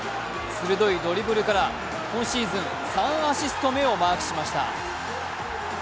鋭いドリブルから今シーズン３アシスト目をマークしました。